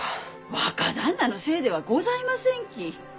若旦那のせいではございませんき！